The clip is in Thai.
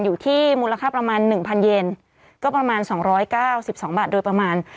อยู่ที่มูลค่าประมาณ๑๐๐เยนก็ประมาณ๒๙๒บาทโดยประมาณ